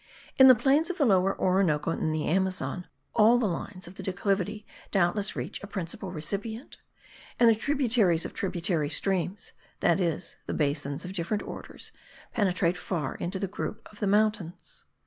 In the plains of the Lower Orinoco and the Amazon all the lines of the declivity doubtless reach a principal recipient, and the tributaries of tributary streams, that is the basins of different orders, penetrate far into the group of the mountains.